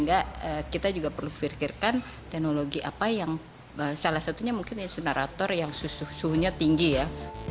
jadi tidak perlu pikirkan teknologi apa yang salah satunya mungkin insenerator yang suhunya tinggi ya